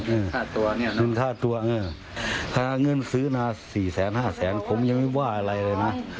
เป็นค่าตัวเนี่ยหรอครับเป็นค่าตัวเนี่ยค่าเงินซื้อนาสี่แสนห้าแสนผมยังไม่ว่าอะไรเลยนะ